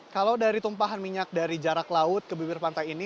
kalau dari tumpahan minyak dari jarak laut ke bibir pantai ini